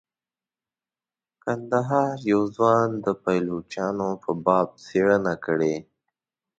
کندهار یوه ځوان د پایلوچانو په باب څیړنه کړې.